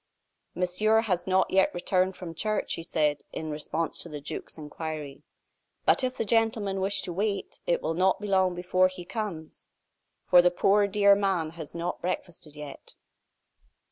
"Monsieur has not yet returned from church," she said, in response to the duke's inquiry; "but if the gentlemen wish to wait, it will not be long before he comes, for the poor, dear man has not breakfasted yet."